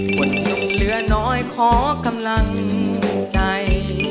คนลงเรือน้อยขอกำลังใจ